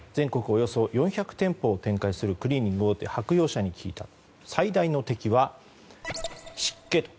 およそ４００店舗を展開するクリーニング大手白洋舎に聞いた最大の敵は湿気と。